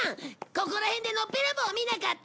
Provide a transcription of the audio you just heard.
ここら辺でノッペラボウを見なかった？